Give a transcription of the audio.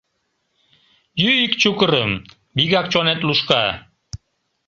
Йӱ ик чукырым, вигак чонет лушка.